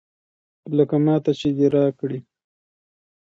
لکه ماته چې دې راکړي.